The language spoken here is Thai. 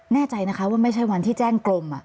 แน่ใจนะคะว่าไม่ใช่วันที่แจ้งกลม